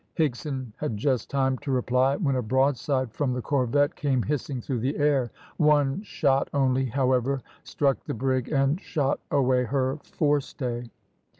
Higson had just time to reply when a broadside from the corvette came hissing through the air; one shot only, however, struck the brig and shot away her forestay.